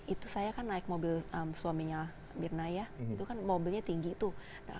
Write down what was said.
itu saya kan naik mobil suaminya mirna ya itu kan mobilnya tinggi tuh